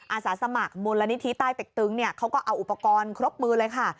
อาสาสมัครมูลนิธิใต้เต็กตึงเขาก็เอาอุปกรณ์ครบมือเลยค่ะ